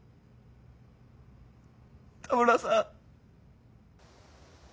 田村さん。